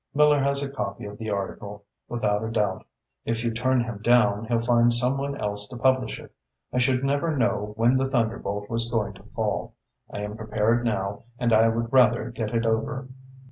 Miller has a copy of the article, without a doubt. If you turn him down, he'll find some one else to publish it. I should never know when the thunderbolt was going to fail. I am prepared now and I would rather get it over."